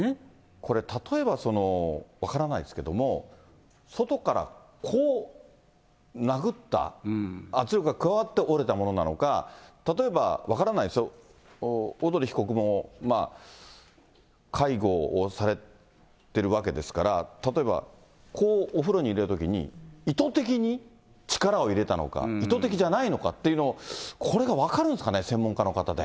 これ、例えば分からないんですけど、外からこう殴った、圧力が加わって折れたものなのか、例えば、分からないですよ、小鳥被告も介護をされてるわけですから、例えばこうお風呂に入れるときに意図的に力を入れたのか意図的じゃないのかっていうのを、これが分かるんですかね、専門家の方で。